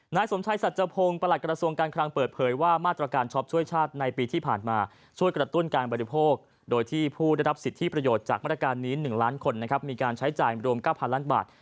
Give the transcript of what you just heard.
นายสมชายสัจพงศ์ประหลัดกระทรวงการคลังเปิดเผยว่ามาตรการช็อปช่วยชาติในปีที่ผ่านมาช่วยกระตุ้นการบริโภคโดยที่ผู้ได้รับสิทธิประโยชน์จากมาตรการนี้๑ล้านคนนะครับมีการใช้จ่ายรวม๙๐๐ล้านบาท